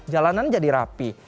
jalanan jadi rapi